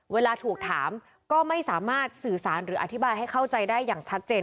เวลาถูกถามก็ไม่สามารถสื่อสารหรืออธิบายให้เข้าใจได้อย่างชัดเจน